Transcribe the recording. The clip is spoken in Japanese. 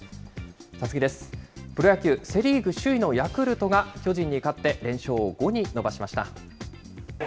プロ野球、セ・リーグ首位のヤクルトが巨人に勝って、連勝を５に伸ばしました。